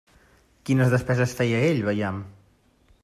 Quines despeses feia ell, vejam?